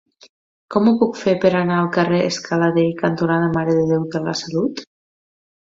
Com ho puc fer per anar al carrer Scala Dei cantonada Mare de Déu de la Salut?